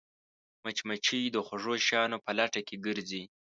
مچمچۍ د خوږو شیانو په لټه کې ګرځي